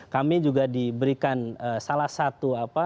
kami juga diberikan salah satu apa